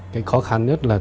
cái khó khăn nhất là